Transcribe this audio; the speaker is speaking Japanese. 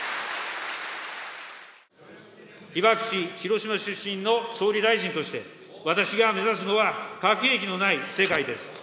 広島出身の総理大臣として私が目指すのは核兵器のない世界です。